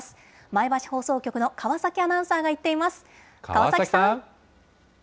前橋放送局の川崎アナウンサーが行っています。